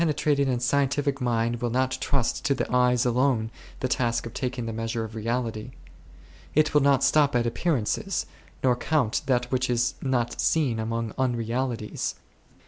A trating and scientific mind will not trust to the eyes alone the task of taking the measure of reality ; it will not stop at appearances, nor count that which is not seen amongst unrealities.